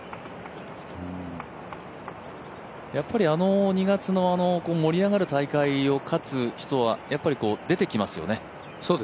あの２月の盛り上がる大会を勝つ人はやっぱり出てきますよね。